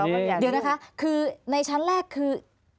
เดี๋ยวนะคะคือในชั้นแรกคือ